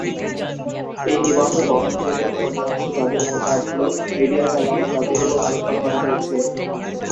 এই নিবন্ধে বহনযোগ্য যন্ত্রাংশ যাদের মূল কাজ হল মিডিয়া চালানো তাদের উপর আলোকপাত করা হয়েছে।